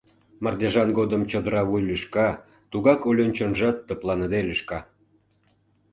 Мардежан годым чодыра вуй лӱшка, тугак Олюн чонжат тыпланыде лӱшка.